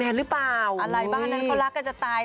อะไรบ้างด้านเขารักกันตาย